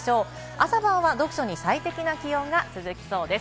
朝晩は読書に最適な気温が続きそうです。